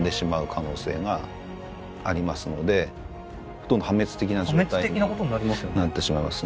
あとは破滅的な状態になってしまいます。